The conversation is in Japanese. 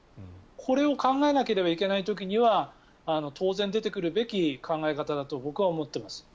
これを考えなければいけない時には当然出てくるべき考え方だと僕は思っています。